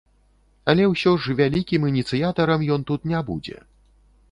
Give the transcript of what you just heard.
Але ўсё ж вялікім ініцыятарам ён тут не будзе.